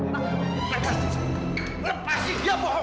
lepas dia pak lepas dia pak